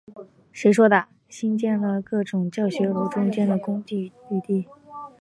兴建了在各种教学楼中间的公用绿地。